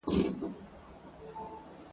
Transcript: پر ښکاري وه ډېر ه ګرانه نازولې ,